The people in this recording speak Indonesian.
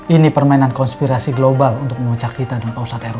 ini permainan konspirasi global untuk memucak kita dan pausat rw